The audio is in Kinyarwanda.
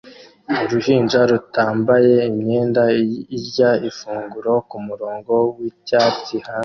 Uruhinja rutambaye imyenda irya ifunguro kumurongo wicyatsi hanze